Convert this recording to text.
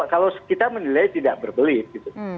kalau kita menilai tidak berbelit gitu